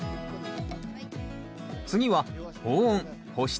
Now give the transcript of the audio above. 次は保温保湿